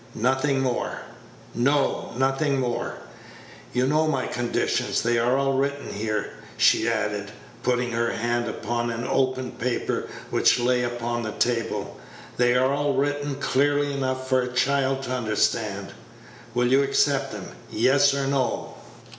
"Nothing more?" "No, nothing more. You know my conditions; they are all written here," she added, putting her hand upon an open paper which lay upon the table; "they are all written clearly enough for a child to understand. Will you accept them? Yes or no?"